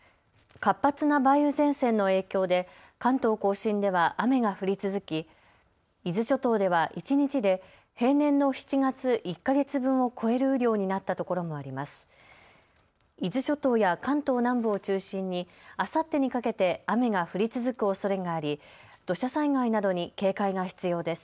活発な梅雨前線の影響で関東甲信では雨が降り続き伊豆諸島では一日で平年の７月１か月分を超える雨量になったところもあります。